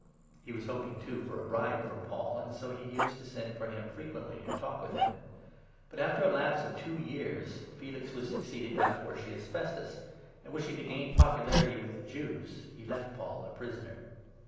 He was hoping, too, for a bribe from Paul, and so he used 26 to send for him frequently and talk with him. But, after the lapse of two years, Felix was succeeded by 27 Porcius Festus ; and, wishing to gain popularity with the Jews, he left Paul a prisoner.